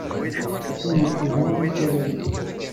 Atan deg tzeɣɣa n yisaragen.